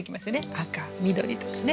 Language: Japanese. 赤緑とかね。